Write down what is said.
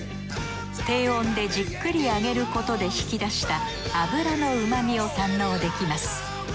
低温でじっくり揚げることで引き出した脂の旨みを堪能できます。